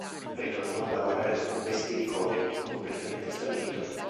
Ritornò a lavorare dopo un mese di ricoveri, completamente stabilito.